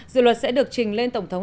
dự luật sẽ được trình lên tổng thống